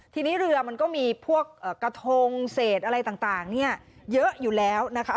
ทีนี้เรือมันก็มีพวกกระทงเศษอะไรต่างเนี่ยเยอะอยู่แล้วนะคะ